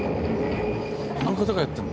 あの方がやってるの？